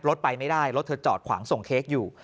รถไปไม่ได้รถเธอจอดขวางส่งเค้กอยู่